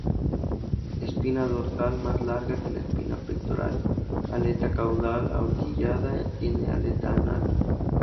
Espina dorsal más larga que la espina pectoral; aleta caudal ahorquillada; tiene aleta anal.